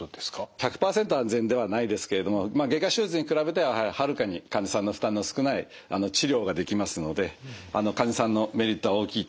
１００％安全ではないですけれども外科手術に比べてははるかに患者さんの負担の少ない治療ができますので患者さんのメリットは大きいと。